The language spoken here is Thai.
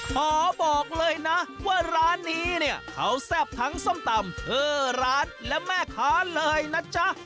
ขอบอกเลยนะว่าร้านนี้เนี่ยเขาแซ่บทั้งส้มตำเธอร้านและแม่ค้าเลยนะจ๊ะ